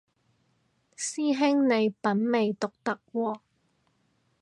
師兄你品味獨特喎